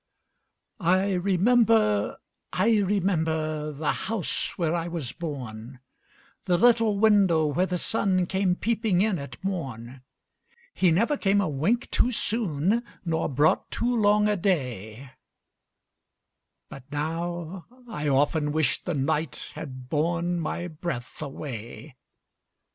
I remember, I remember, The house where I was born, The little window where the sun Came peeping in at morn; He never came a wink too soon, Nor brought too long a day, But now, I often wish the night Had borne my breath away!